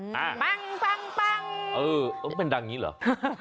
ปังปังปังเป็นดังนี้เหรอ